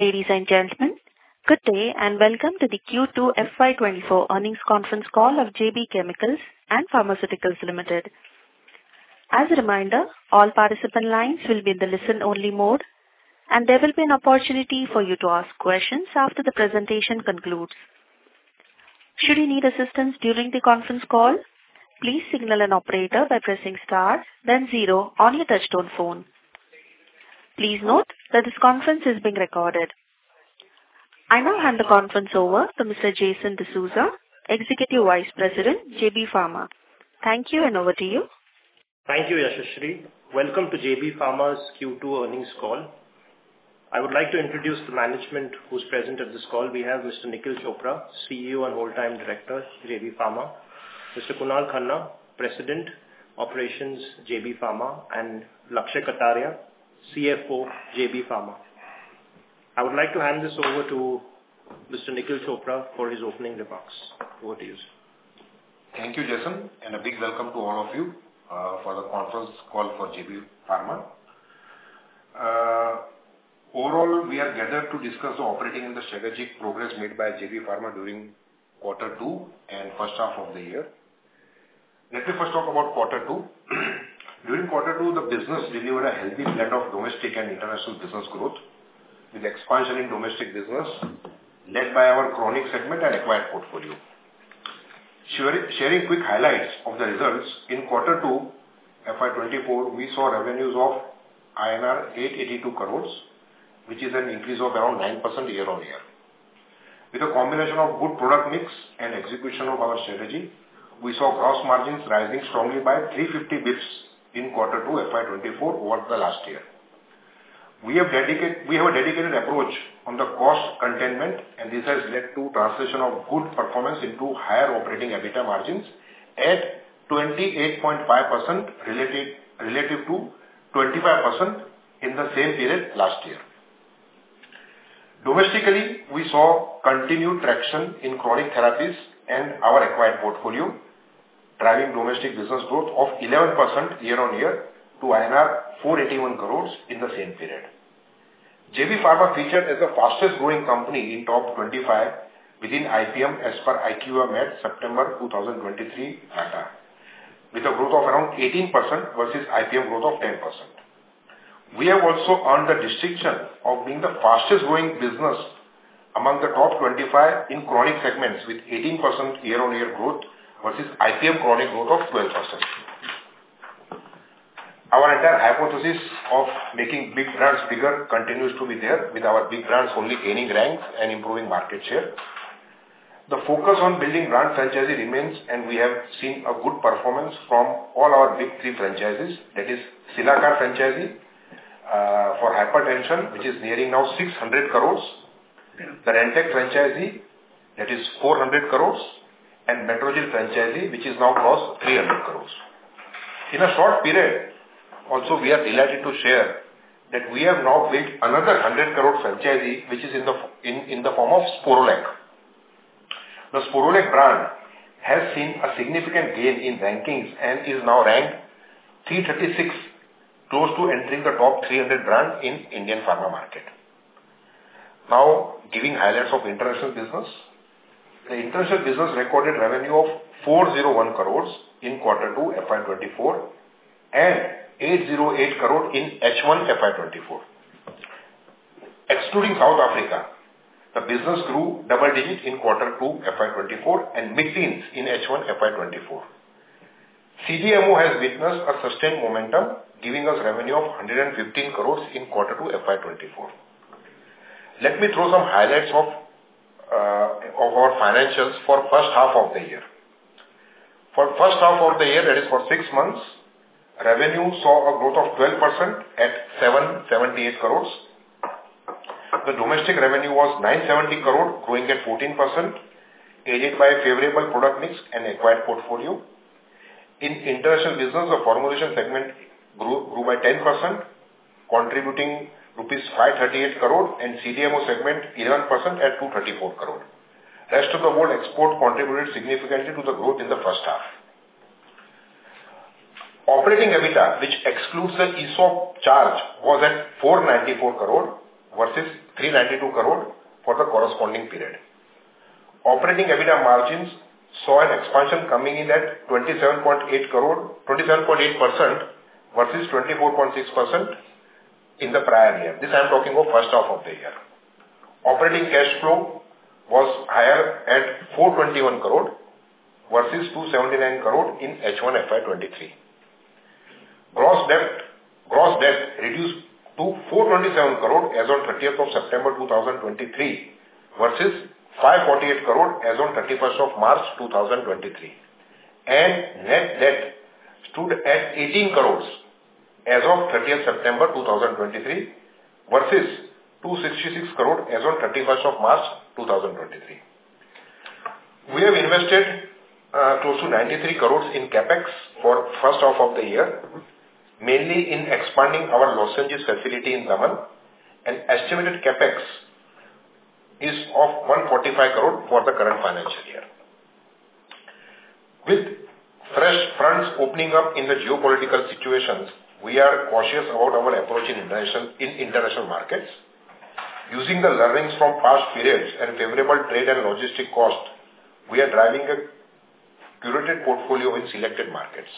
Ladies and gentlemen, good day, and welcome to the Q2 FY 2024 earnings conference call of JB Chemicals & Pharmaceuticals Limited. As a reminder, all participant lines will be in the listen-only mode, and there will be an opportunity for you to ask questions after the presentation concludes. Should you need assistance during the conference call, please signal an operator by pressing Star, then Zero on your touchtone phone. Please note that this conference is being recorded. I now hand the conference over to Mr. Jason D'Souza, Executive Vice President, JB Pharma. Thank you, and over to you. Thank you, Yashashree. Welcome to JB Pharma's Q2 earnings call. I would like to introduce the management who's present at this call. We have Mr. Nikhil Chopra, CEO and Whole Time Director, JB Pharma; Mr. Kunal Khanna, President, Operations, JB Pharma; and Lakshay Kataria, CFO, JB Pharma. I would like to hand this over to Mr. Nikhil Chopra for his opening remarks. Over to you, sir. Thank you, Jason, and a big welcome to all of you for the conference call for JB Pharma. Overall, we are gathered to discuss the operating and the strategic progress made by JB Pharma during quarter two and first half of the year. Let me first talk about quarter two. During quarter two, the business delivered a healthy blend of domestic and international business growth, with expansion in domestic business led by our chronic segment and acquired portfolio. Sharing quick highlights of the results, in quarter two FY 2024, we saw revenues of INR 882 crores, which is an increase of around 9% year-on-year. With a combination of good product mix and execution of our strategy, we saw gross margins rising strongly by 350 basis points in quarter two FY 2024 over the last year. We have a dedicated approach on the cost containment, and this has led to translation of good performance into higher operating EBITDA margins at 28.5% related, relative to 25% in the same period last year. Domestically, we saw continued traction in chronic therapies and our acquired portfolio, driving domestic business growth of 11% year-on-year to INR 481 crores in the same period. JB Pharma featured as the fastest growing company in top 25 within IPM, as per IQVIA at September 2023 data, with a growth of around 18% versus IPM growth of 10%. We have also earned the distinction of being the fastest growing business among the top 25 in chronic segments, with 18% year-on-year growth versus IPM chronic growth of 12%. Our entire hypothesis of making big brands bigger continues to be there, with our big brands only gaining ranks and improving market share. The focus on building brand franchise remains, and we have seen a good performance from all our big three franchises. That is Cilacar franchise for hypertension, which is nearing now 600 crores, the Rantac franchise, that is 400 crores, and Metrogyl franchise, which is now close to 300 crores. In a short period, also, we are delighted to share that we have now built another 100 crore franchise, which is in the form of Sporlac. The Sporlac brand has seen a significant gain in rankings and is now ranked 336, close to entering the top 300 brands in Indian pharma market. Now, giving highlights of international business. The international business recorded revenue of 401 crore in Q2, FY 2024, and 808 crore in H1 FY 2024. Excluding South Africa, the business grew double digits in Q2, FY 2024, and mid-teens in H1 FY 2024. CDMO has witnessed a sustained momentum, giving us revenue of 115 crore in Q2, FY 2024. Let me throw some highlights of our financials for first half of the year. For first half of the year, that is for six months, revenue saw a growth of 12% at 778 crore. The domestic revenue was 970 crore, growing at 14%, aided by a favorable product mix and acquired portfolio. In international business, the formulation segment grew, grew by 10%, contributing 538 crore rupees and CDMO segment 11% at 234 crore. Rest of the world export contributed significantly to the growth in the first half. Operating EBITDA, which excludes the ESOP charge, was at 494 crore versus 392 crore for the corresponding period. Operating EBITDA margins saw an expansion coming in at 27.8 crore, 27.8% versus 24.6% in the prior year. This, I'm talking of first half of the year. Operating cash flow was higher at 421 crore versus 279 crore in H1 FY 2023. Gross debt, gross debt reduced to 427 crore as on 13th of September 2023, versus 548 crore as on thirty-first of March 2023. Net debt stood at 18 crore as of thirtieth September 2023, versus 266 crore as of thirty-first of March 2023. We have invested close to 93 crore in CapEx for first half of the year, mainly in expanding our lozenges facility in Daman, and estimated CapEx is of 145 crore for the current financial year. With fresh fronts opening up in the geopolitical situations, we are cautious about our approach in international, in international markets. Using the learnings from past periods and favorable trade and logistic cost, we are driving a curated portfolio in selected markets.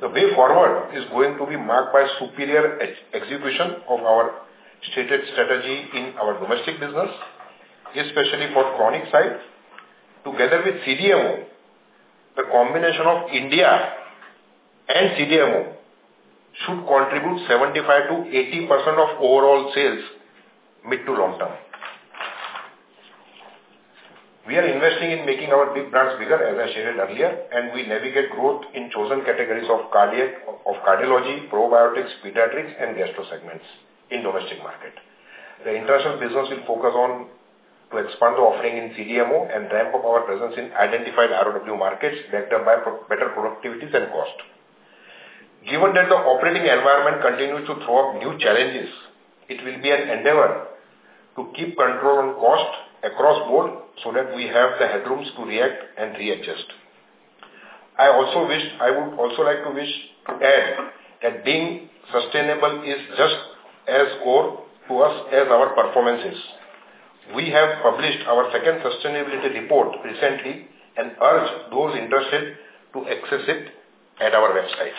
The way forward is going to be marked by superior execution of our stated strategy in our domestic business, especially for chronic side. Together with CDMO, the combination of India and CDMO should contribute 75%-80% of overall sales, mid to long term. We are investing in making our big brands bigger, as I shared earlier, and we navigate growth in chosen categories of cardiac, of cardiology, probiotics, pediatrics and gastro segments in domestic market. The international business will focus on to expand the offering in CDMO and ramp up our presence in identified ROW markets, led by pro-better productivities and cost. Given that the operating environment continues to throw up new challenges, it will be an endeavor to keep control on cost across board so that we have the headrooms to react and readjust. I would also like to add that being sustainable is just as core to us as our performance is. We have published our second sustainability report recently and urge those interested to access it at our website.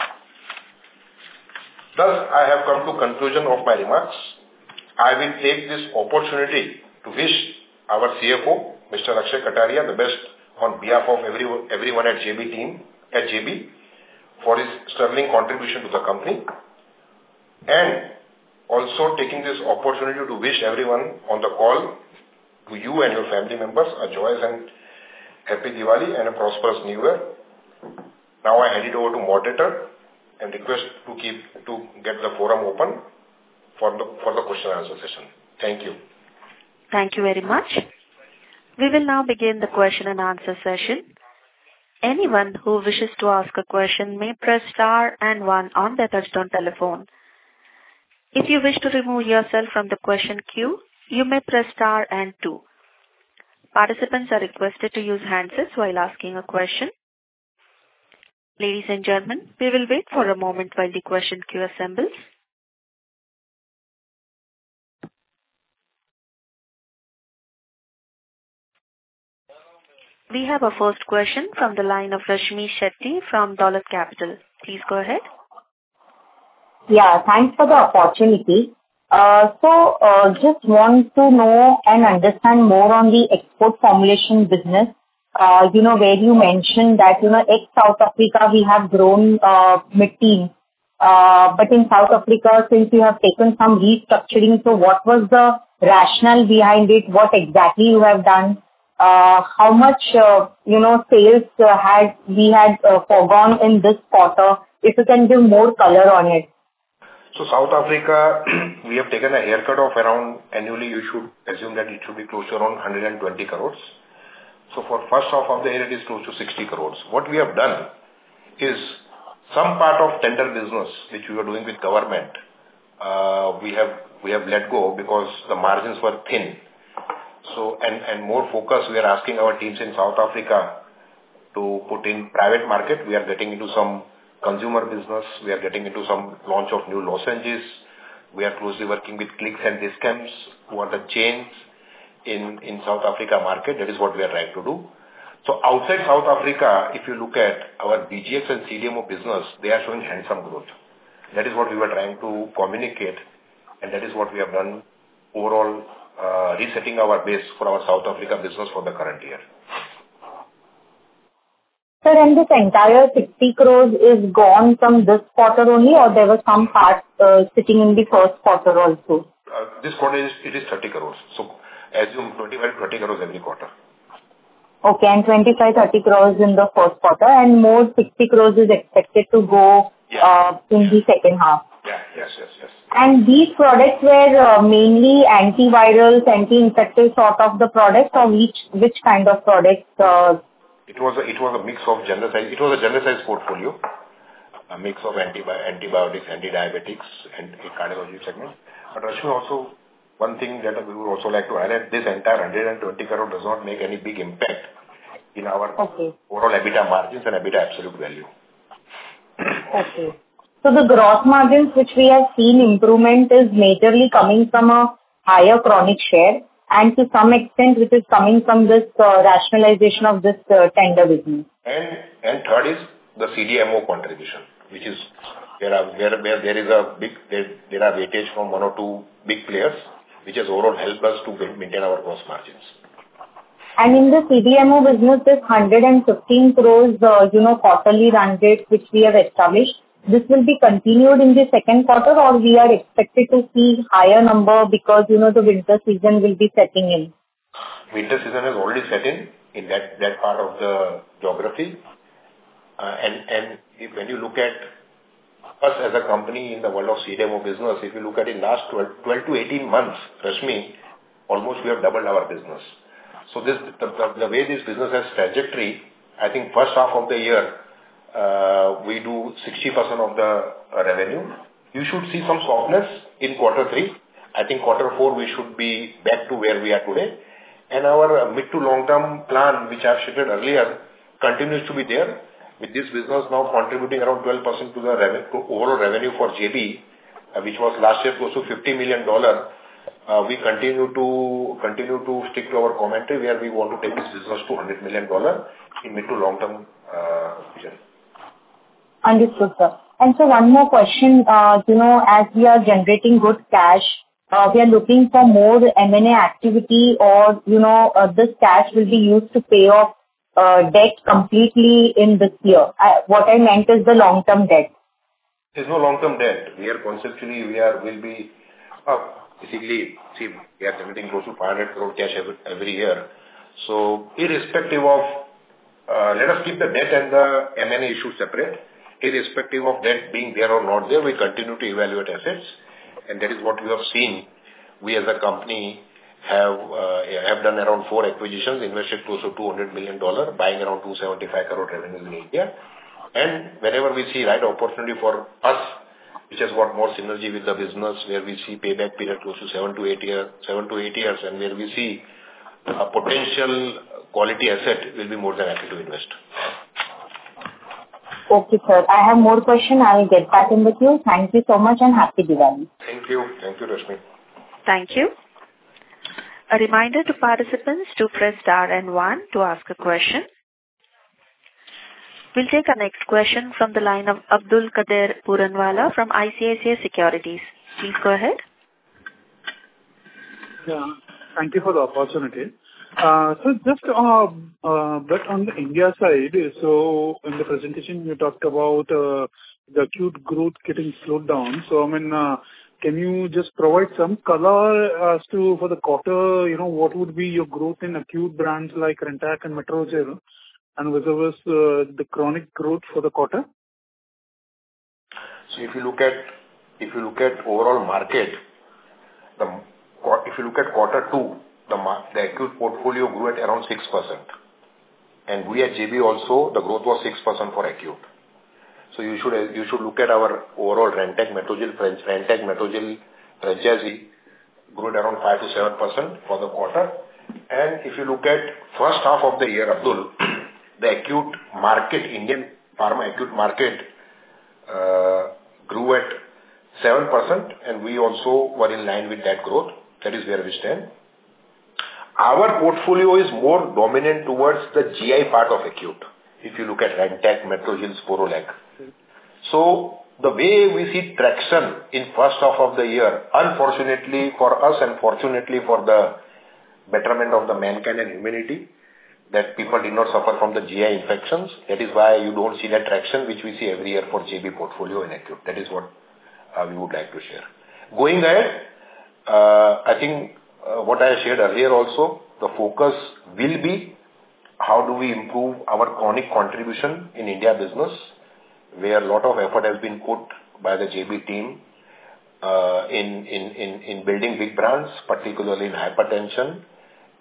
Thus, I have come to conclusion of my remarks. I will take this opportunity to wish our CFO, Mr. Lakshay Kataria, the best on behalf of everyone at JB team, at JB, for his sterling contribution to the company. Also taking this opportunity to wish everyone on the call, to you and your family members, a joyous and happy Diwali and a prosperous new year. Now, I hand it over to moderator and request to keep, to get the forum open for the question and answer session. Thank you. Thank you very much. We will now begin the question and answer session. Anyone who wishes to ask a question may press star and one on their touch-tone telephone. If you wish to remove yourself from the question queue, you may press star and two. Participants are requested to use handsets while asking a question. Ladies and gentlemen, we will wait for a moment while the question queue assembles. We have a first question from the line of Rashmi Shetty from Dolat Capital. Please go ahead. Yeah, thanks for the opportunity. So, just want to know and understand more on the export formulation business. You know, where you mentioned that, you know, ex-South Africa, we have grown mid-teen. But in South Africa, since you have taken some restructuring, so what was the rationale behind it? What exactly you have done? How much, you know, sales had we had foregone in this quarter? If you can give more color on it. So South Africa, we have taken a haircut of around, annually you should assume that it should be close to around 120 crores. So for first half of the year, it is close to 60 crores. What we have done is some part of tender business, which we were doing with government, we have let go because the margins were thin. So and more focus, we are asking our teams in South Africa to put in private market. We are getting into some consumer business. We are getting into some launch of new lozenges. We are closely working with Clicks and Dis-Chem, who are the chains in the South Africa market. That is what we are trying to do. So outside South Africa, if you look at our DGX and CDMO business, they are showing handsome growth. That is what we were trying to communicate, and that is what we have done overall, resetting our base for our South Africa business for the current year. Sir, this entire 60 crore is gone from this quarter only, or there was some part sitting in the first quarter also? This quarter is 30 crore. So assume 25 crore-30 crore every quarter. Okay, and 25-30 crores in the first quarter, and more 60 crores is expected to go- Yeah. in the second half? Yeah. Yes, yes, yes. These products were mainly antivirals, anti-infective sort of the products, or which, which kind of products? It was a mix of genericized. It was a genericized portfolio, a mix of antibiotics, anti-diabetics and the cardiology segment. But Rashmi, also, one thing that I would also like to add, that this entire 120 crore does not make any big impact in our Okay. overall EBITDA margins and EBITDA absolute value. Okay. So the gross margins, which we have seen improvement, is majorly coming from a higher chronic share, and to some extent, which is coming from this, rationalization of this, tender business. And third is the CDMO contribution, which is where there is a big weightage from one or two big players, which has overall helped us to maintain our gross margins. In the CDMO business, this 115 crore, you know, quarterly run rate, which we have established, this will be continued in the second quarter, or we are expected to see higher number because, you know, the winter season will be setting in? Winter season has already set in, in that part of the geography. And if when you look at us as a company in the world of CDMO business, if you look at in last 12-18 months, Rashmi, almost we have doubled our business. So this, the way this business has trajectory, I think first half of the year we do 60% of the revenue. You should see some softness in quarter three. I think quarter four, we should be back to where we are today. And our mid to long-term plan, which I've shared earlier, continues to be there, with this business now contributing around 12% to overall revenue for JB, which was last year close to $50 million. We continue to stick to our commentary, where we want to take this business to $100 million in mid- to long-term vision. Understood, sir. And so one more question. You know, as we are generating good cash, we are looking for more M&A activity or, you know, this cash will be used to pay off debt completely in this year. What I meant is the long-term debt. There's no long-term debt. We are conceptually, we will be basically, see, we are generating close to 500 crore cash every year. So irrespective of... Let us keep the debt and the M&A issue separate. Irrespective of debt being there or not there, we continue to evaluate assets, and that is what we have seen. We as a company have have done around 4 acquisitions, invested close to $200 million, buying around 275 crore revenue in India. And wherever we see right opportunity for us, which has got more synergy with the business, where we see payback period close to 7-8 years, and where we see a potential quality asset, we'll be more than happy to invest. Okay, sir. I have more questions. I will get back in with you. Thank you so much, and Happy Diwali! Thank you. Thank you, Rashmi. Thank you. A reminder to participants to press star and one to ask a question. We'll take our next question from the line of Abdul Kader Puranwala from ICICI Securities. Please go ahead. Yeah, thank you for the opportunity. So just back on the India side, so in the presentation, you talked about the acute growth getting slowed down. So I mean, can you just provide some color as to, for the quarter, you know, what would be your growth in acute brands like Rantac and Metrogyl, and vis-a-vis the chronic growth for the quarter? So if you look at overall market, if you look at quarter two, the acute portfolio grew at around 6%. And we at JB also, the growth was 6% for acute. So you should, you should look at our overall Rantac, Metrogyl, Rantac, Metrogyl, Praji grew at around 5%-7% for the quarter. And if you look at first half of the year, Abdul, the acute market, Indian pharma acute market, grew at 7%, and we also were in line with that growth. That is where we stand. Our portfolio is more dominant towards the GI part of acute, if you look at Rantac, Metrogyl, Sporlac. Mm-hmm. So the way we see traction in first half of the year, unfortunately, for us and fortunately for the betterment of the mankind and humanity, that people did not suffer from the GI infections. That is why you don't see that traction, which we see every year for JB portfolio in acute. That is what we would like to share. Going ahead, I think what I shared earlier also, the focus will be how do we improve our chronic contribution in India business, where a lot of effort has been put by the JB team in building big brands, particularly in hypertension,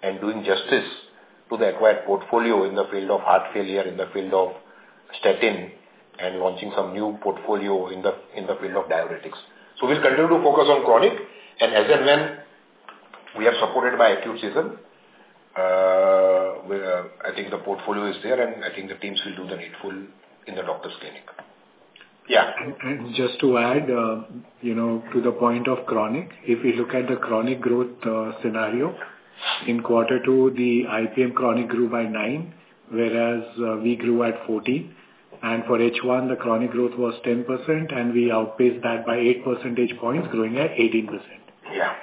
and doing justice to the acquired portfolio in the field of heart failure, in the field of statin, and launching some new portfolio in the field of diuretics. So we'll continue to focus on chronic, and as and when we are supported by acute season, I think the portfolio is there, and I think the teams will do the needful in the doctor's clinic. Yeah. And, and just to add, you know, to the point of chronic, if we look at the chronic growth scenario in quarter two, the IPM chronic grew by 9, whereas we grew at 40. And for H1, the chronic growth was 10%, and we outpaced that by 8 percentage points, growing at 18%. Yeah.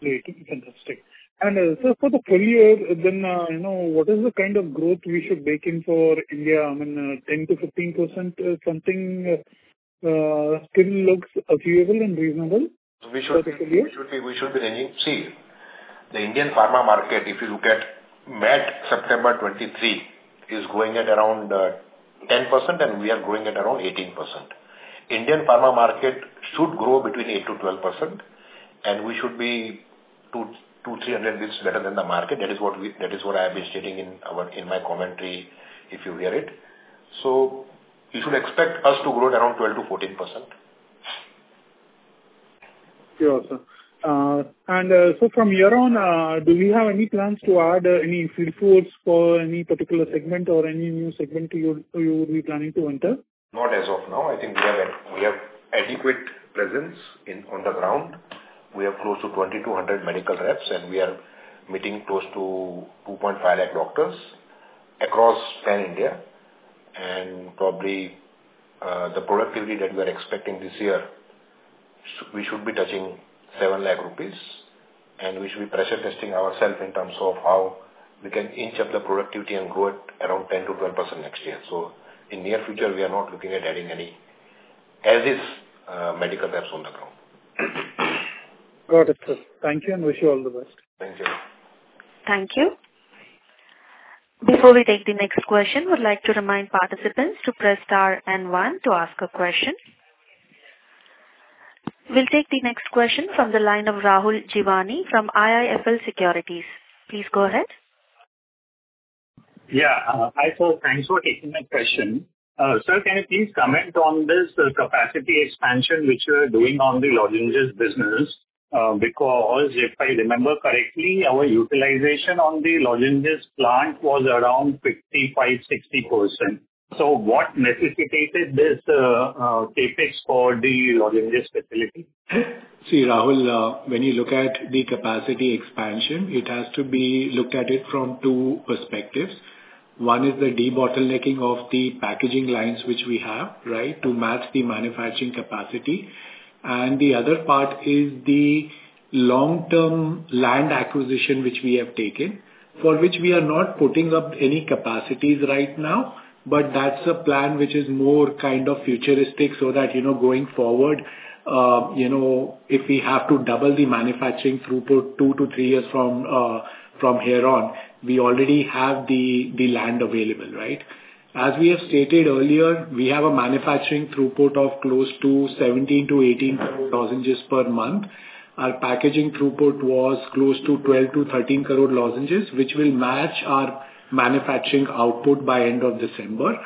Great. Fantastic. And, so for the full year, then, you know, what is the kind of growth we should bake in for India? I mean, 10%-15%, something, still looks achievable and reasonable for the full year? See, the Indian pharma market, if you look at MAT September 2023, is growing at around 10%, and we are growing at around 18%. Indian pharma market should grow between 8%-12%, and we should be 200-300 basis points better than the market. That is what I have been stating in my commentary, if you hear it. So you should expect us to grow at around 12%-14%. Sure, sir. And so from your end, do you have any plans to add any field force for any particular segment or any new segment to you, you would be planning to enter? Not as of now. I think we have adequate presence in, on the ground. We have close to 2,200 medical reps, and we are meeting close to 2.5 lakh doctors across pan-India. And probably, the productivity that we are expecting this year, we should be touching 7 lakh rupees, and we should be pressure testing ourself in terms of how we can inch up the productivity and grow at around 10%-12% next year. So in near future, we are not looking at adding any as is, medical reps on the ground. Got it, sir. Thank you, and wish you all the best. Thank you. Thank you. Before we take the next question, I would like to remind participants to press star and one to ask a question... We'll take the next question from the line of Rahul Jeewani from IIFL Securities. Please go ahead. Yeah, hi, sir, thanks for taking my question. Sir, can you please comment on this capacity expansion which you are doing on the lozenges business? Because if I remember correctly, our utilization on the lozenges plant was around 55%-60%. So what necessitated this CapEx for the lozenges facility? See, Rahul, when you look at the capacity expansion, it has to be looked at it from two perspectives. One is the debottlenecking of the packaging lines, which we have, right? To match the manufacturing capacity. And the other part is the long-term land acquisition, which we have taken, for which we are not putting up any capacities right now, but that's a plan which is more kind of futuristic, so that, you know, going forward, you know, if we have to double the manufacturing throughput 2-3 years from here on, we already have the land available, right? As we have stated earlier, we have a manufacturing throughput of close to 17-18 crore lozenges per month. Our packaging throughput was close to 12-13 crore lozenges, which will match our manufacturing output by end of December.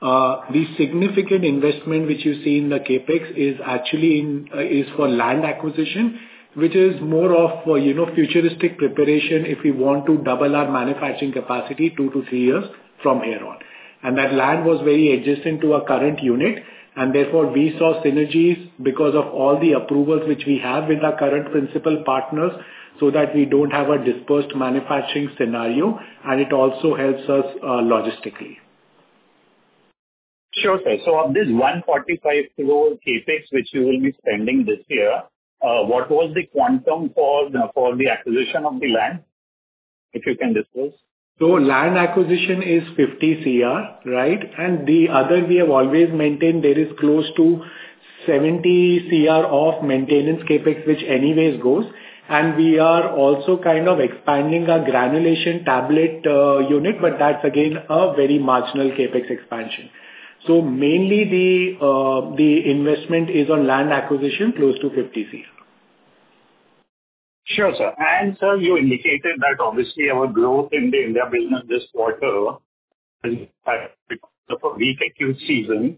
The significant investment which you see in the CapEx is actually is for land acquisition, which is more of, you know, futuristic preparation if we want to double our manufacturing capacity 2-3 years from here on. That land was very adjacent to our current unit, and therefore we saw synergies because of all the approvals which we have with our current principal partners, so that we don't have a dispersed manufacturing scenario, and it also helps us, logistically. Sure, sir. So, of this 145 crore CapEx, which you will be spending this year, what was the quantum for the acquisition of the land, if you can disclose? So land acquisition is 50 crore, right? And the other, we have always maintained there is close to 70 crore of maintenance CapEx, which anyways goes. And we are also kind of expanding our granulation tablet unit, but that's again, a very marginal CapEx expansion. So mainly the investment is on land acquisition, close to 50 crore. Sure, sir. And sir, you indicated that obviously our growth in the India business this quarter is seasonal.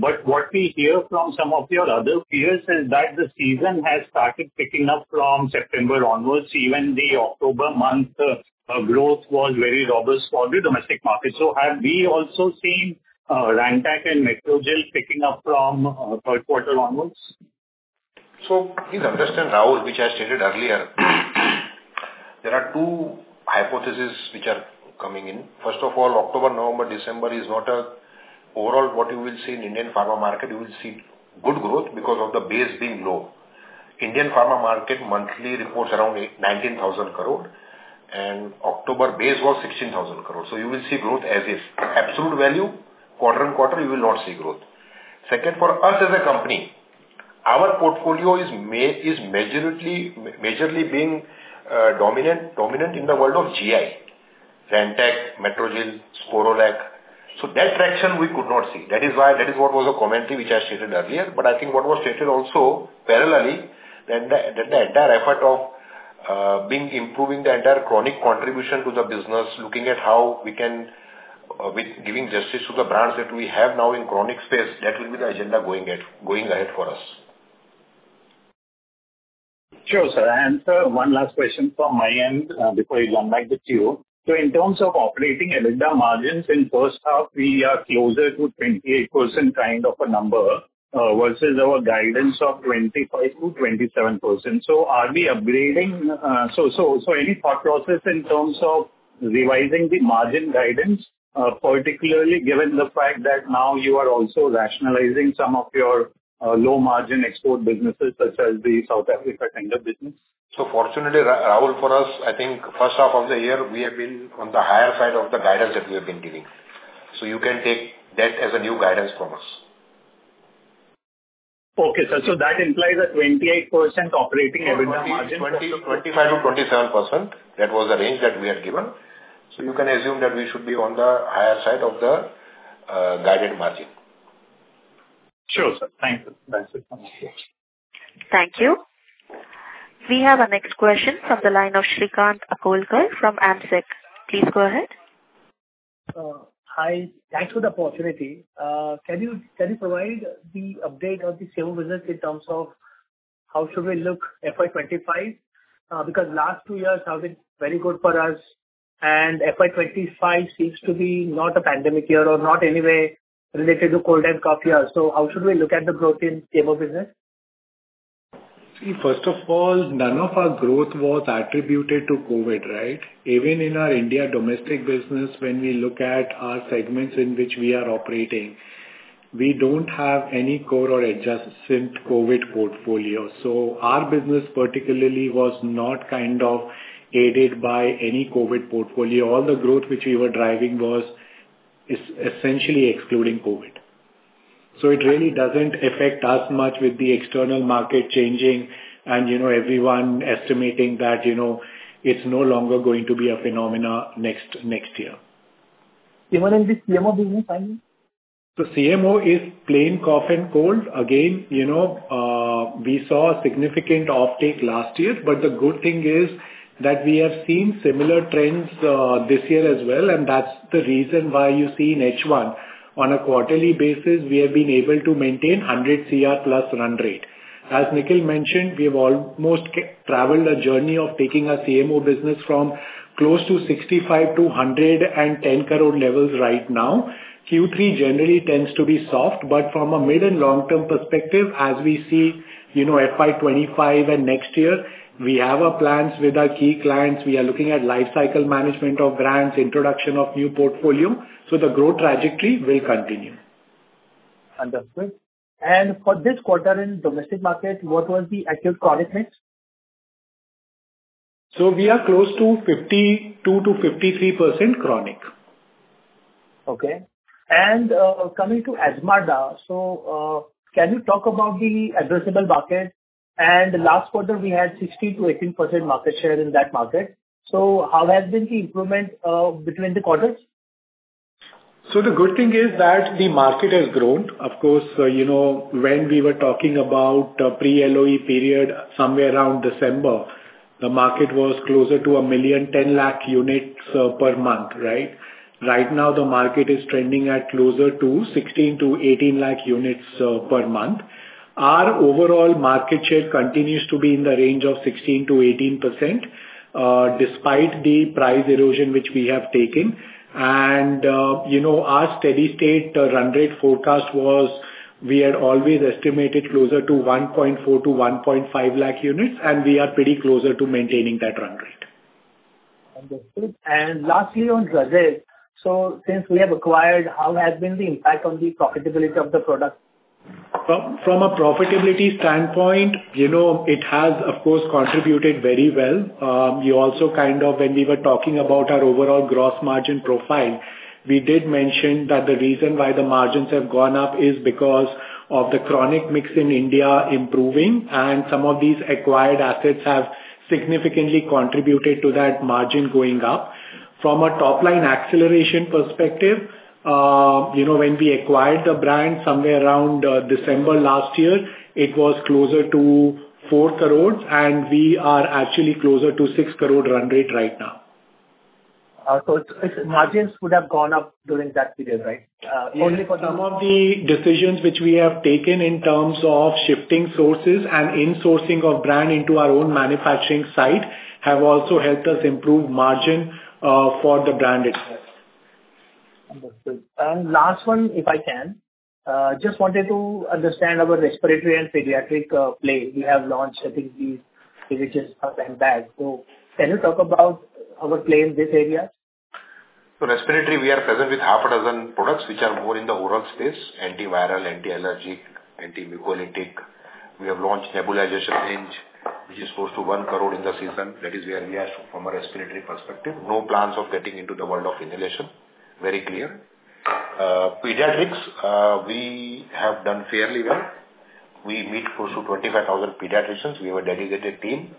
But what we hear from some of your other peers is that the season has started picking up from September onwards. Even the October month, growth was very robust for the domestic market. So have we also seen Rantac and Metrogyl picking up from third quarter onwards? So please understand, Rahul, which I stated earlier, there are two hypotheses which are coming in. First of all, October, November, December is not a... Overall, what you will see in Indian pharma market, you will see good growth because of the base being low. Indian pharma market monthly reports around 18,000-19,000 crore, and October base was 16,000 crore. So you will see growth as if absolute value, quarter and quarter, you will not see growth. Second, for us as a company, our portfolio is is majorly, majorly being, dominant, dominant in the world of GI, Rantac, Metrogyl, Sporlac. So that fraction we could not see. That is why, that is what was a commentary which I stated earlier. But I think what was stated also parallelly, that the entire effort of being improving the entire chronic contribution to the business, looking at how we can with giving justice to the brands that we have now in chronic space, that will be the agenda going at, going ahead for us. Sure, sir. And sir, one last question from my end, before I hand back the queue. So in terms of operating EBITDA margins, in first half, we are closer to 28% kind of a number, versus our guidance of 25%-27%. So are we upgrading...? So any thought process in terms of revising the margin guidance, particularly given the fact that now you are also rationalizing some of your low-margin export businesses, such as the South Africa tender business. So fortunately, Rahul, for us, I think first half of the year, we have been on the higher side of the guidance that we have been giving. So you can take that as a new guidance from us. Okay, sir. So that implies a 28% operating EBITDA margin- 25%-27%. That was the range that we had given. So you can assume that we should be on the higher side of the guided margin. Sure, sir. Thank you. Thanks, sir. Thank you. We have our next question from the line of Shrikant Akolkar from AMSEC. Please go ahead. Hi. Thanks for the opportunity. Can you provide the update of the same business in terms of how should we look FY 2025? Because last two years have been very good for us, and FY 2025 seems to be not a pandemic year or not anyway related to cold and cough year. So how should we look at the growth in cable business? See, first of all, none of our growth was attributed to COVID, right? Even in our India domestic business, when we look at our segments in which we are operating, we don't have any core or adjacent COVID portfolio. So our business particularly was not kind of aided by any COVID portfolio. All the growth which we were driving was, is essentially excluding COVID. So it really doesn't affect us much with the external market changing and, you know, everyone estimating that, you know, it's no longer going to be a phenomenon next, next year. Even in the CMO business timing? The CMO is plain cough and cold. Again, you know, we saw a significant uptake last year, but the good thing is that we have seen similar trends this year as well, and that's the reason why you see in H1. On a quarterly basis, we have been able to maintain 100 crore plus run rate. As Nikhil mentioned, we have almost traveled a journey of taking our CMO business from close to 65 crore to 110 crore levels right now. Q3 generally tends to be soft, but from a mid and long-term perspective, as we see, you know, FY 2025 and next year, we have our plans with our key clients. We are looking at life cycle management of brands, introduction of new portfolio, so the growth trajectory will continue. Understood. For this quarter in domestic market, what was the actual chronic mix? We are close to 52%-53% chronic. Okay. And, coming to Azmarda, so, can you talk about the addressable market? And last quarter, we had 16%-18% market share in that market. So how has been the improvement, between the quarters? So the good thing is that the market has grown. Of course, you know, when we were talking about the pre-LOE period, somewhere around December, the market was closer to 1 million, 10 lakh units, per month, right? Right now, the market is trending at closer to 16-18 lakh units, per month. Our overall market share continues to be in the range of 16%-18%, despite the price erosion, which we have taken. And, you know, our steady state run rate forecast was, we had always estimated closer to 1.4-1.5 lakh units, and we are pretty closer to maintaining that run rate. Understood. And lastly, on Razel, so since we have acquired, how has been the impact on the profitability of the product? From a profitability standpoint, you know, it has, of course, contributed very well. You also kind of when we were talking about our overall gross margin profile, we did mention that the reason why the margins have gone up is because of the chronic mix in India improving, and some of these acquired assets have significantly contributed to that margin going up. From a top-line acceleration perspective, you know, when we acquired the brand somewhere around December last year, it was closer to 4 crore, and we are actually closer to 6 crore run rate right now. So its margins would have gone up during that period, right? Only for the- Some of the decisions which we have taken in terms of shifting sources and insourcing of brand into our own manufacturing site, have also helped us improve margin, for the brand itself. Understood. And last one, if I can. Just wanted to understand our respiratory and pediatric play. We have launched, I think, the Uncertain. So can you talk about our play in this area? So respiratory, we are present with six products, which are more in the oral space, antiviral, anti-allergic, anti-mucolytic. We have launched nebulization range, which is close to 1 crore in the season. That is where we are from a respiratory perspective. No plans of getting into the world of inhalation. Very clear. Pediatrics, we have done fairly well. We meet close to 25,000 pediatricians. We have a dedicated team.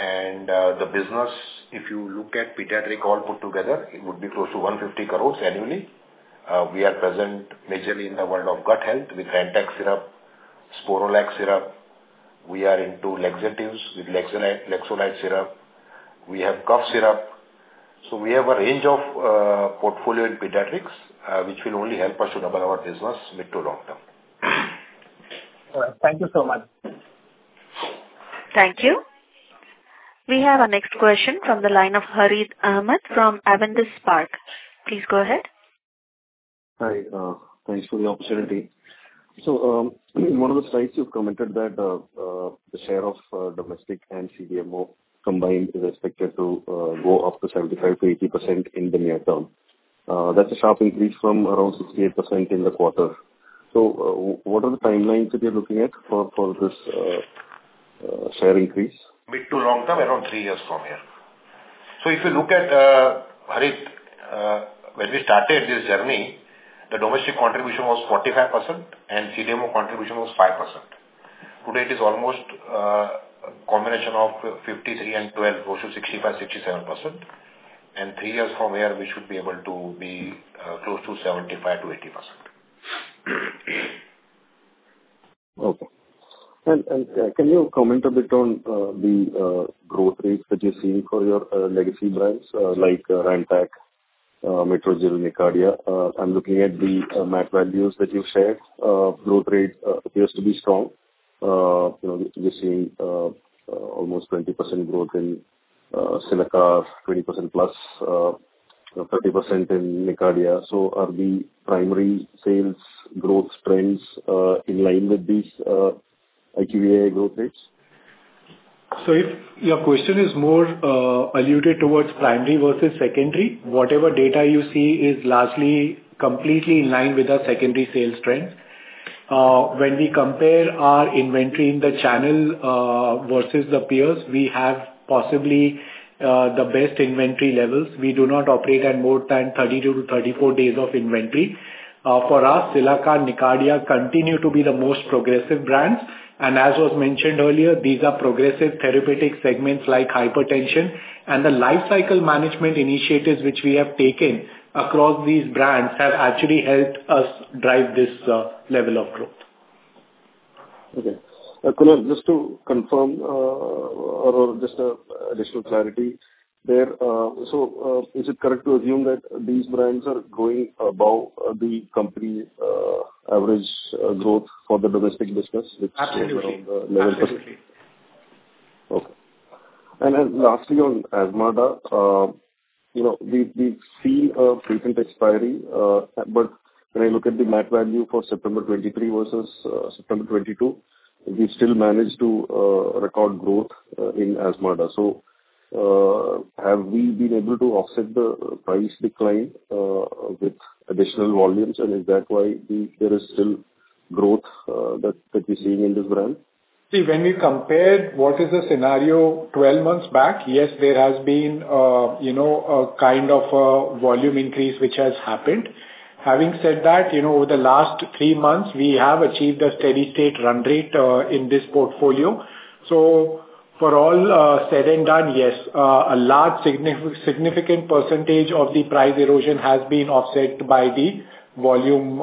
And, the business, if you look at pediatric all put together, it would be close to 150 crores annually. We are present majorly in the world of gut health with Rantac syrup, Sporlac syrup. We are into laxatives with Laxolite, Laxolite syrup. We have cough syrup. So we have a range of, portfolio in pediatrics, which will only help us to double our business mid to long term. All right. Thank you so much. Thank you. We have our next question from the line of Harith Ahamed from Avendus Spark. Please go ahead. Hi, thanks for the opportunity. So, one of the slides you've commented that the share of domestic and CDMO combined is expected to go up to 75%-80% in the near term. That's a sharp increase from around 68% in the quarter. So what are the timelines that you're looking at for this share increase? Mid- to long-term, around 3 years from here. So if you look at, Harith, when we started this journey, the domestic contribution was 45% and CDMO contribution was 5%. Today, it is almost a combination of 53% and 12%, close to 65%-67%. And 3 years from now, we should be able to be close to 75%-80%. Okay. Can you comment a bit on the growth rates that you're seeing for your legacy brands, like Rantac, Metrogyl and Nicardia? I'm looking at the MAT values that you've shared. Growth rate appears to be strong. You know, we're seeing almost 20% growth in Cilacar, 20% plus, 30% in Nicardia. So are the primary sales growth trends in line with these IQVIA growth rates? So if your question is more alluded towards primary versus secondary, whatever data you see is largely completely in line with our secondary sales trends. When we compare our inventory in the channel, versus the peers, we have possibly the best inventory levels. We do not operate at more than 32-34 days of inventory. For us, Cilacar, Nicardia continue to be the most progressive brands, and as was mentioned earlier, these are progressive therapeutic segments like hypertension. The life cycle management initiatives which we have taken across these brands have actually helped us drive this level of growth. Okay. Kunal, just to confirm, or just, additional clarity there, so, is it correct to assume that these brands are growing above the company, average, growth for the domestic business, which- Absolutely. Okay. And then lastly, on Azmarda, you know, we've seen a frequent expiry, but when I look at the MAT value for September 2023 versus September 2022, we still managed to record growth in Azmarda. So, have we been able to offset the price decline with additional volumes, and is that why there is still growth that we're seeing in this brand? See, when we compare what is the scenario 12 months back, yes, there has been, you know, a kind of a volume increase which has happened. Having said that, you know, over the last 3 months, we have achieved a steady state run rate in this portfolio. So for all said and done, yes, a large significant percentage of the price erosion has been offset by the volume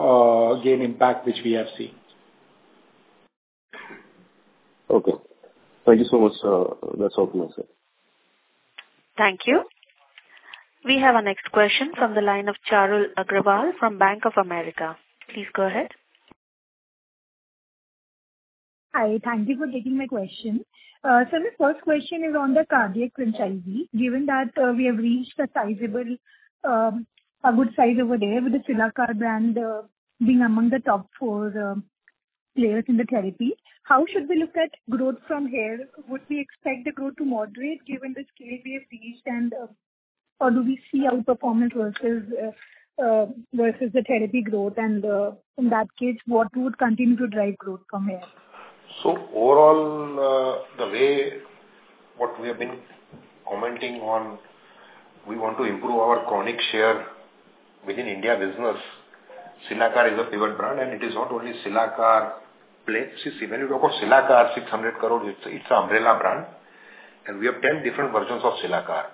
gain impact, which we have seen. Okay. Thank you so much, that's all for myself. Thank you. We have our next question from the line of Charul Agrawal from Bank of America. Please go ahead. Hi, thank you for taking my question. So my first question is on the cardiac franchise. Given that, we have reached a sizable, a good size over there with the Cilacar brand, being among the top four players in the therapy, how should we look at growth from here? Would we expect the growth to moderate given the scale we have reached, and, or do we see outperformance versus, versus the therapy growth? And, in that case, what would continue to drive growth from here? So overall, the way what we have been commenting on, we want to improve our chronic share within India business. Cilacar is a pivot brand, and it is not only Cilacar play. See, when you talk of Cilacar, INR 600 crore, it's, it's an umbrella brand, and we have 10 different versions of Cilacar.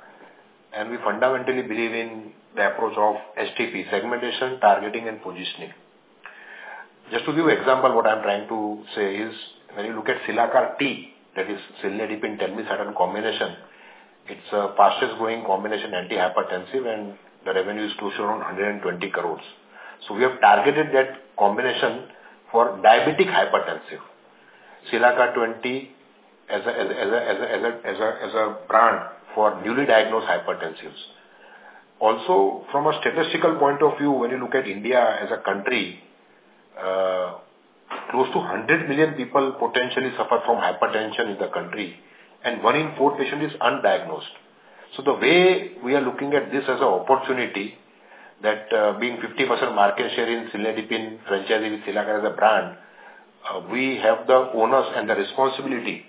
And we fundamentally believe in the approach of STP: segmentation, targeting and positioning. Just to give you example, what I'm trying to say is, when you look at Cilacar T, that is, cilnidipine, telmisartan combination, it's a fastest growing combination, antihypertensive, and the revenue is close to around 120 crore. So we have targeted that combination for diabetic hypertensive. Cilacar 20 as a brand for newly diagnosed hypertensives. Also, from a statistical point of view, when you look at India as a country, close to 100 million people potentially suffer from hypertension in the country, and one in four patient is undiagnosed. So the way we are looking at this as a opportunity, that, being 50% market share in cilnidipine franchise with Cilacar as a brand, we have the onus and the responsibility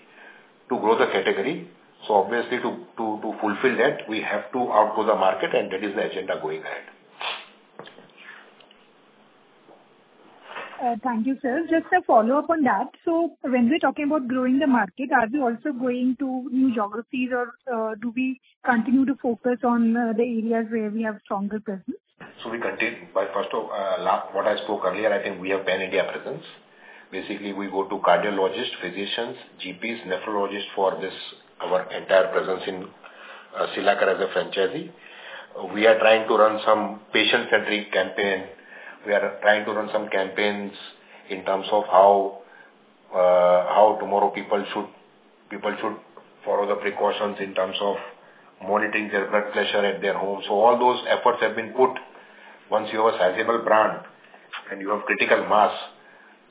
to grow the category. So obviously, to fulfill that, we have to outgrow the market, and that is the agenda going ahead. Thank you, sir. Just a follow-up on that: so when we're talking about growing the market, are we also going to new geographies or, do we continue to focus on, the areas where we have stronger presence? So we continue. But first off, last what I spoke earlier, I think we have pan-India presence. Basically, we go to cardiologists, physicians, GPs, nephrologists for this, our entire presence in Cilacar as a franchise. We are trying to run some patient-centric campaign. We are trying to run some campaigns in terms of how tomorrow people should follow the precautions in terms of monitoring their blood pressure at their home. So all those efforts have been put. Once you have a sizable brand and you have critical mass,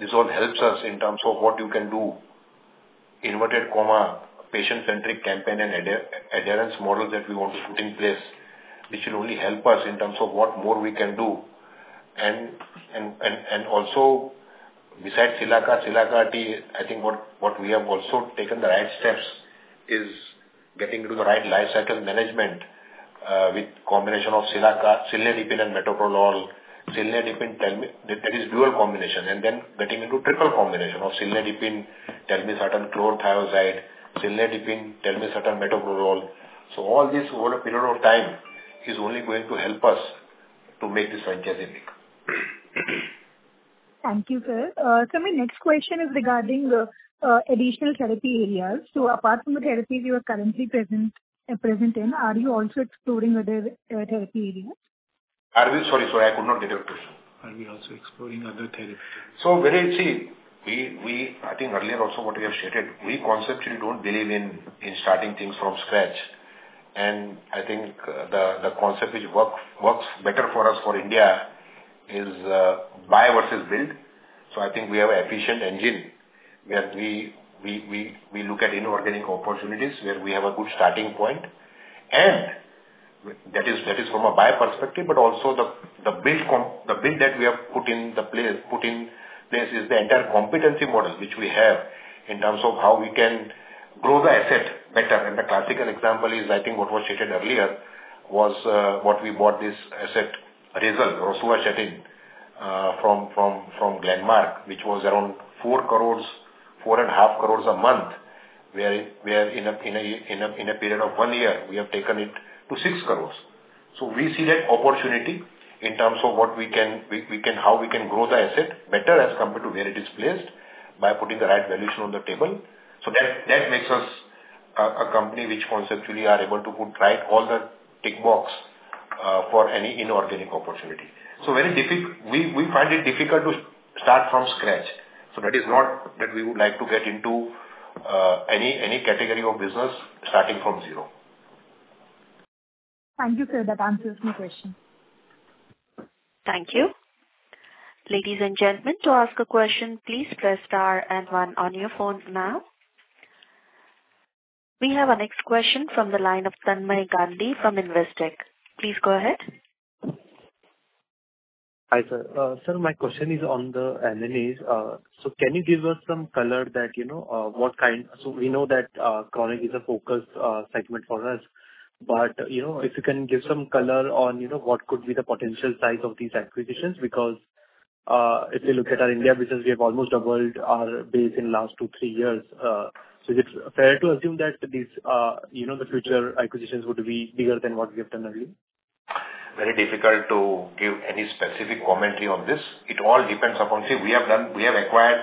this all helps us in terms of what you can do, inverted comma, patient-centric campaign and adherence model that we want to put in place, which will only help us in terms of what more we can do. Also, besides Cilacar, Cilacar T, I think what we have also taken the right steps is getting into the right life cycle management, with combination of Cilacar, cilnidipine and metoprolol, cilnidipine telmisartan. That is dual combination, and then getting into triple combination of cilnidipine, telmisartan, chlorothiazide, cilnidipine, telmisartan, metoprolol. So all this, over a period of time, is only going to help us to make this franchise unique. Thank you, sir. So my next question is regarding the additional therapy areas. So apart from the therapies you are currently present in, are you also exploring other therapy areas? Sorry, sorry, I could not get it. Are we also exploring other therapy? So when you see, I think earlier also what we have stated, we conceptually don't believe in starting things from scratch, and I think the concept which works better for us, for India, is buy versus build. So I think we have an efficient engine, where we look at inorganic opportunities, where we have a good starting point, and that is from a buyer perspective, but also the build that we have put in place is the entire competency model, which we have in terms of how we can grow the asset better. The classical example is, I think, what was stated earlier, what we bought this asset, Razel rosuvastatin, from Glenmark, which was around 4 crore, 4.5 crore a month, where in a period of 1 year, we have taken it to 6 crore. So we see that opportunity in terms of what we can, how we can grow the asset better as compared to where it is placed by putting the right valuation on the table. So that makes us a company which conceptually are able to put right all the tick box for any inorganic opportunity. So very difficult. We find it difficult to start from scratch, so that is not that we would like to get into any category of business starting from zero. Thank you, sir. That answers my question. Thank you. Ladies and gentlemen, to ask a question, please press star and one on your phones now. We have our next question from the line of Tanmay Gandhi from Investec. Please go ahead. Hi, sir. Sir, my question is on the M&As. So can you give us some color that, you know, what kind... So we know that chronic is a focus segment for us, but, you know, if you can give some color on, you know, what could be the potential size of these acquisitions? Because, if you look at our India business, we have almost doubled our base in last two, three years. So is it fair to assume that this, you know, the future acquisitions would be bigger than what we have done earlier? Very difficult to give any specific commentary on this. It all depends upon- Sure. See, we have done. We have acquired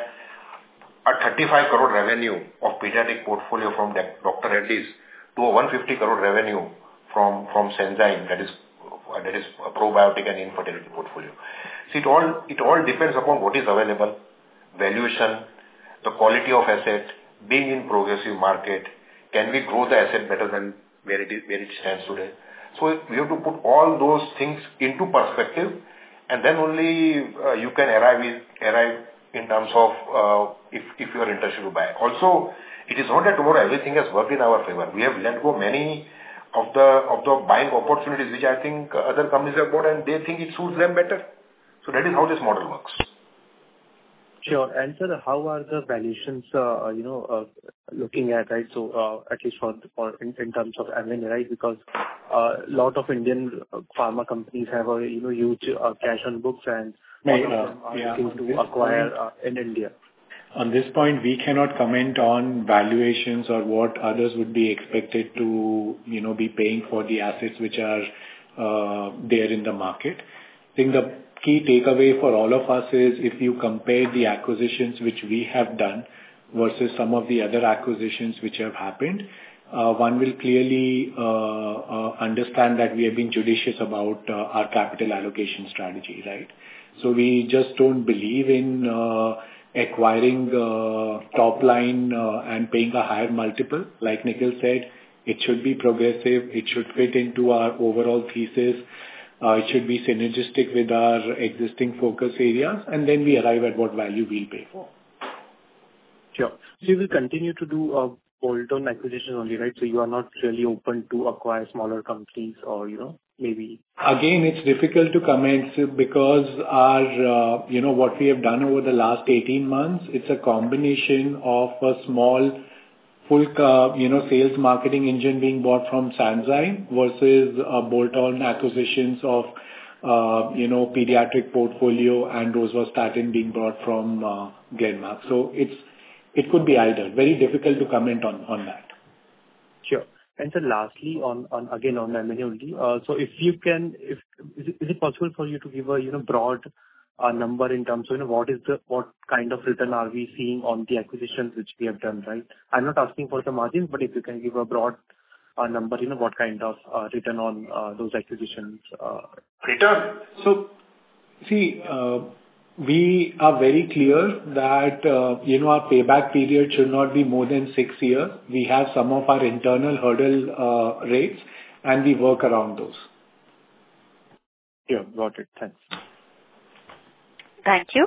a 35 crore revenue of pediatric portfolio from that Dr. Reddy's to a 150 crore revenue from Sanzyme, that is, that is probiotic and infertility portfolio. See, it all, it all depends upon what is available, valuation, the quality of asset, being in progressive market, can we grow the asset better than where it is, where it stands today? So we have to put all those things into perspective, and then only, you can arrive with, arrive in terms of, if, if you are interested to buy. Also, it is not that over everything has worked in our favor. We have let go many of the, of the buying opportunities, which I think other companies have bought, and they think it suits them better. So that is how this model works. Sure. And, sir, how are the valuations, you know, looking at, right, so, at least for in terms of M&A, right? Because, a lot of Indian pharma companies have a, you know, huge, cash on books and- Yeah, yeah. Looking to acquire, in India. On this point, we cannot comment on valuations or what others would be expected to, you know, be paying for the assets which are there in the market. I think the key takeaway for all of us is if you compare the acquisitions which we have done versus some of the other acquisitions which have happened, one will clearly understand that we have been judicious about our capital allocation strategy, right? So we just don't believe in acquiring top line and paying a higher multiple. Like Nikhil said, it should be progressive, it should fit into our overall thesis, it should be synergistic with our existing focus areas, and then we arrive at what value we pay for. Sure. So you will continue to do bolt-on acquisitions only, right? So you are not really open to acquire smaller companies or, you know, maybe- Again, it's difficult to comment, because our, you know, what we have done over the last 18 months, it's a combination of a small, full, you know, sales marketing engine being bought from Sanzyme versus, bolt-on acquisitions of, you know, pediatric portfolio and Rosuvastatin being bought from, Glenmark. So it's, it could be either. Very difficult to comment on, on that. Sure. And sir, lastly, on M&A only. So, is it possible for you to give a, you know, broad number in terms of what kind of return are we seeing on the acquisitions which we have done, right? I'm not asking for the margins, but if you can give a broad number, you know, what kind of return on those acquisitions. Return? So, see, we are very clear that, you know, our payback period should not be more than six years. We have some of our internal hurdle rates, and we work around those. Yeah. Got it. Thanks. Thank you.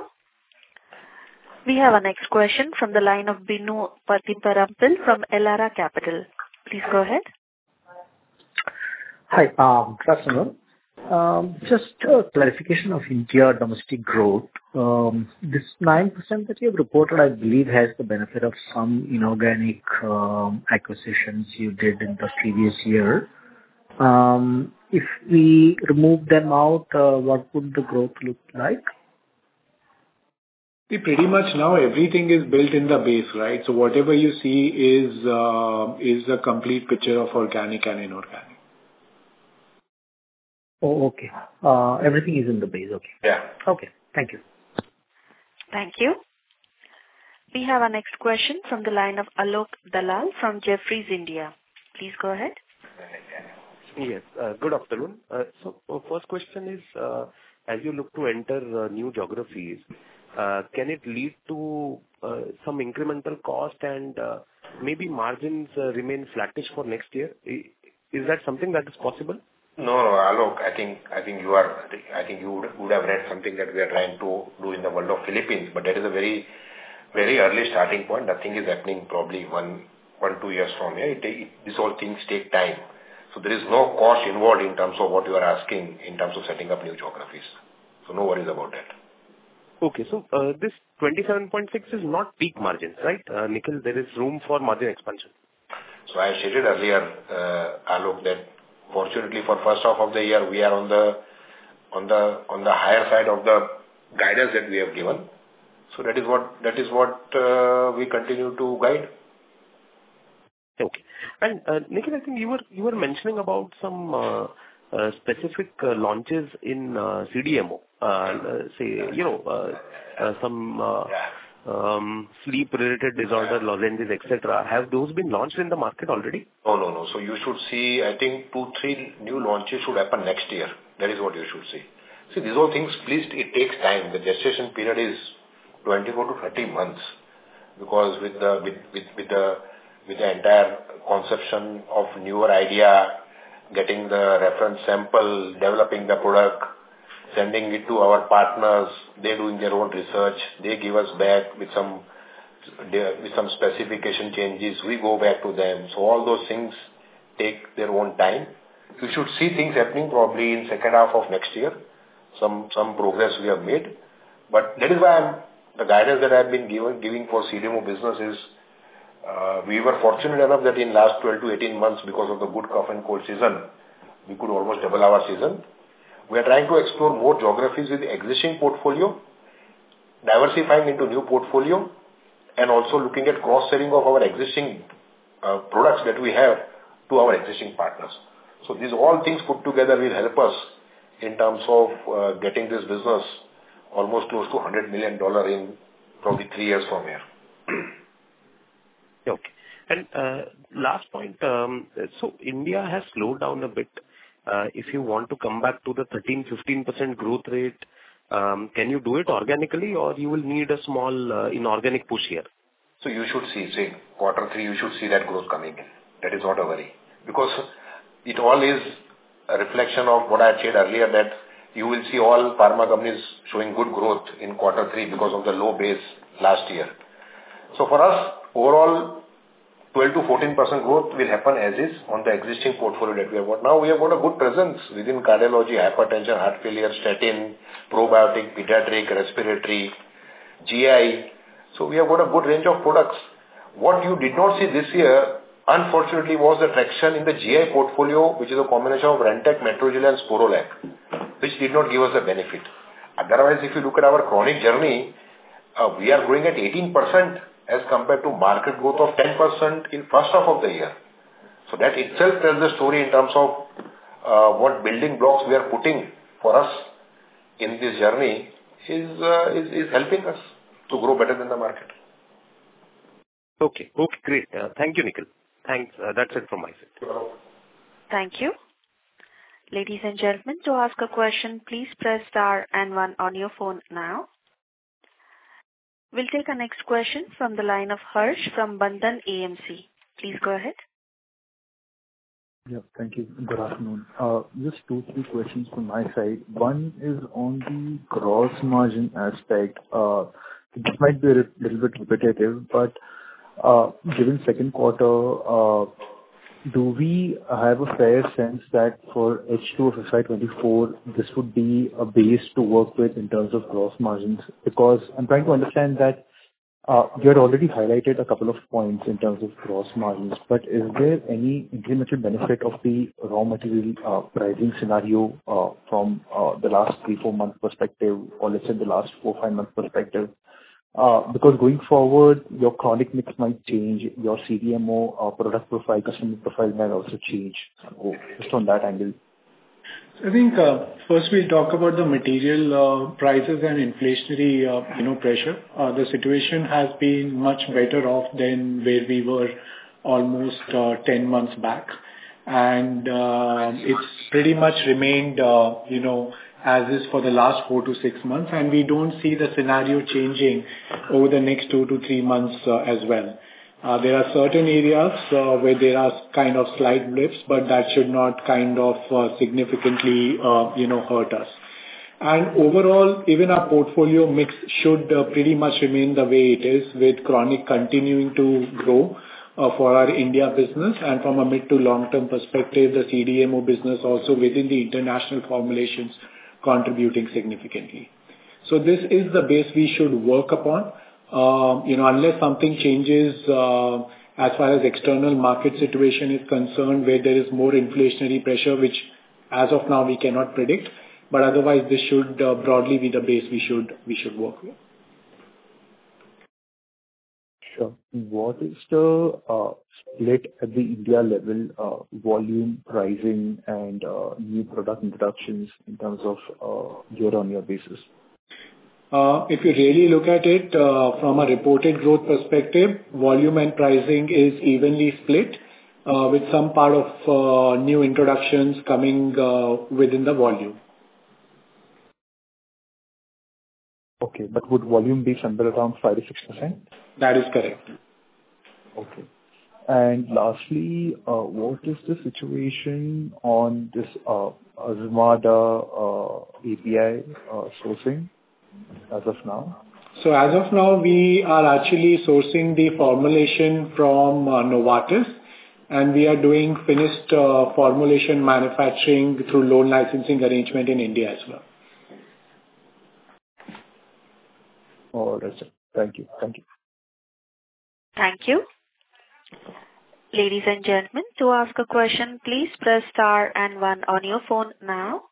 We have our next question from the line of Bino Pathiparampil from Elara Capital. Please go ahead. Hi, good afternoon. Just a clarification of India domestic growth. This 9% that you have reported, I believe, has the benefit of some inorganic acquisitions you did in the previous year. If we remove them out, what would the growth look like? Pretty much now everything is built in the base, right? So whatever you see is a complete picture of organic and inorganic. Oh, okay. Everything is in the base. Okay. Yeah. Okay. Thank you. Thank you. We have our next question from the line of Alok Dalal from Jefferies India. Please go ahead. Yes, good afternoon. So, first question is, as you look to enter new geographies, can it lead to some incremental cost and maybe margins remain flattish for next year? Is that something that is possible? No, Alok, I think you would have read something that we are trying to do in the world of Philippines, but that is a very, very early starting point. I think it's happening probably one or two years from here. It takes. These all things take time. So there is no cost involved in terms of what you are asking in terms of setting up new geographies. So no worries about that. ... Okay, so, this 27.6 is not peak margin, right, Nikhil? There is room for margin expansion. So as I stated earlier, Alok, that fortunately for first half of the year, we are on the higher side of the guidance that we have given. So that is what we continue to guide. Okay. And, Nikhil, I think you were mentioning about some specific launches in CDMO. Say, you know, some- Yeah. Sleep-related disorder, lozenges, et cetera. Have those been launched in the market already? No, no, no. So you should see, I think 2, 3 new launches should happen next year. That is what you should see. See, these all things, please, it takes time. The gestation period is 24-30 months, because with the entire conception of newer idea, getting the reference sample, developing the product, sending it to our partners, they're doing their own research. They give us back with some specification changes. We go back to them. So all those things take their own time. You should see things happening probably in second half of next year. Some progress we have made, but that is why I'm... The guidance that I've been giving for CDMO business is, we were fortunate enough that in last 12 to 18 months, because of the good cough and cold season, we could almost double our season. We are trying to explore more geographies with existing portfolio, diversifying into new portfolio, and also looking at cross-selling of our existing, products that we have to our existing partners. So these all things put together will help us in terms of, getting this business almost close to $100 million in probably 3 years from here. Yeah, okay. Last point, so India has slowed down a bit. If you want to come back to the 13%-15% growth rate, can you do it organically, or you will need a small, inorganic push here? So you should see, say, quarter three, you should see that growth coming in. That is not a worry, because it all is a reflection of what I had said earlier, that you will see all pharma companies showing good growth in quarter three because of the low base last year. So for us, overall, 12%-14% growth will happen as is on the existing portfolio that we have got. Now, we have got a good presence within cardiology, hypertension, heart failure, statin, probiotic, pediatric, respiratory, GI, so we have got a good range of products. What you did not see this year, unfortunately, was the traction in the GI portfolio, which is a combination of Rantac, Metrogyl, and Sporlac, which did not give us a benefit. Otherwise, if you look at our chronic journey, we are growing at 18% as compared to market growth of 10% in first half of the year. So that itself tells the story in terms of, what building blocks we are putting for us in this journey, is helping us to grow better than the market. Okay. Okay, great. Thank you, Nikhil. Thanks. That's it from my side. Thank you. Ladies and gentlemen, to ask a question, please press star and one on your phone now. We'll take our next question from the line of Harsh, from Bandhan AMC. Please go ahead. Yeah, thank you. Good afternoon. Just two, three questions from my side. One is on the gross margin aspect. It might be a little bit repetitive, but, given second quarter, do we have a fair sense that for H2 of FY 2024, this would be a base to work with in terms of gross margins? Because I'm trying to understand that, you had already highlighted a couple of points in terms of gross margins, but is there any incremental benefit of the raw material, pricing scenario, from, the last three, four month perspective, or let's say the last four, five month perspective? Because going forward, your chronic mix might change, your CDMO, product profile, customer profile might also change. Just on that angle. I think, first we'll talk about the material prices and inflationary, you know, pressure. The situation has been much better off than where we were almost 10 months back. And, it's pretty much remained, you know, as is for the last 4-6 months, and we don't see the scenario changing over the next 2-3 months, as well. There are certain areas, where there are kind of slight blips, but that should not kind of significantly, you know, hurt us. And overall, even our portfolio mix should pretty much remain the way it is, with chronic continuing to grow, for our India business. And from a mid to long-term perspective, the CDMO business also within the international formulations, contributing significantly. So this is the base we should work upon. You know, unless something changes, as far as external market situation is concerned, where there is more inflationary pressure, which as of now, we cannot predict, but otherwise, this should broadly be the base we should, we should work with. Sure. What is the split at the India level, volume, pricing, and new product introductions in terms of year-on-year basis? If you really look at it, from a reported growth perspective, volume and pricing is evenly split, with some part of new introductions coming within the volume. Okay, but would volume be somewhere around 5%-6%? That is correct. Okay. And lastly, what is the situation on this Azmarda API sourcing as of now?... So as of now, we are actually sourcing the formulation from Novartis, and we are doing finished formulation manufacturing through loan licensing arrangement in India as well. All right, sir. Thank you. Thank you. Thank you. Ladies and gentlemen, to ask a question, please press star and one on your phone now.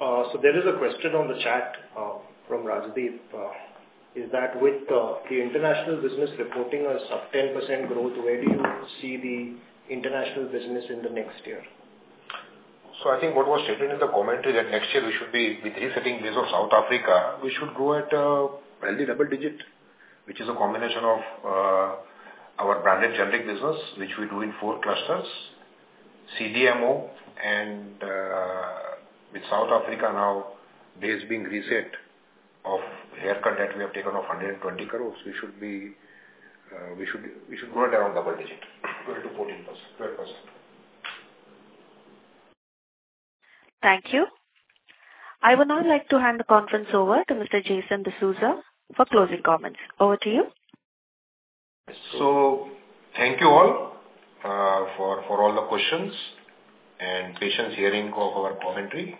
So there is a question on the chat from Rajdeep. Is that with the international business reporting a sub-10% growth, where do you see the international business in the next year? I think what was stated in the commentary, that next year we should be resetting base of South Africa, we should grow at, probably double digit, which is a combination of, our branded generic business, which we do in four clusters, CDMO, and, with South Africa now, base being reset of their contract, we have taken off 120 crore. We should be, we should go around double digit, 12%-14%, 12%. Thank you. I would now like to hand the conference over to Mr. Jason D'Souza for closing comments. Over to you. So thank you all, for all the questions and patience hearing of our commentary.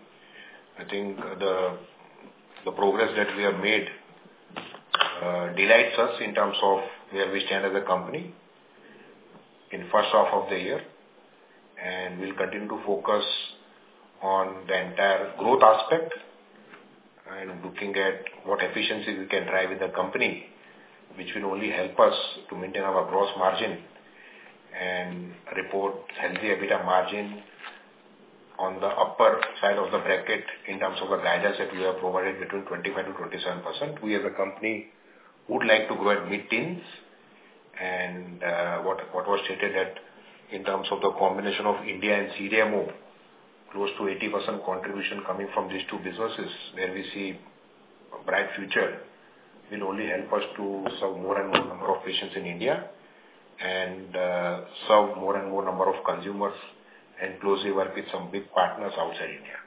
I think the progress that we have made delights us in terms of where we stand as a company in first half of the year, and we'll continue to focus on the entire growth aspect and looking at what efficiency we can drive in the company, which will only help us to maintain our gross margin and report healthy EBITDA margin on the upper side of the bracket in terms of the guidance that we have provided between 25%-27%. We as a company would like to go at mid-teens and, what, what was stated that in terms of the combination of India and CDMO, close to 80% contribution coming from these two businesses, where we see a bright future, will only help us to serve more and more number of patients in India and, serve more and more number of consumers and close your work with some big partners outside India.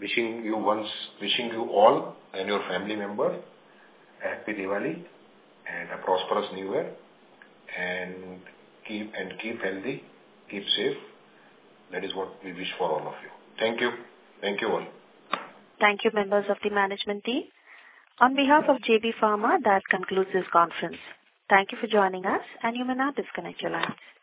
Wishing you once... Wishing you all and your family member a happy Diwali and a prosperous new year, and keep, and keep healthy, keep safe. That is what we wish for all of you. Thank you. Thank you all. Thank you, members of the management team. On behalf of JB Pharma, that concludes this conference. Thank you for joining us, and you may now disconnect your line.